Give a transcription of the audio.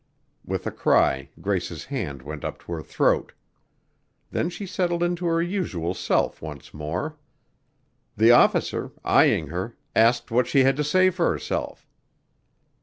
With a cry, Grace's hand went up to her throat. Then she settled into her usual self once more. The officer, eyeing her, asked what she had to say for herself.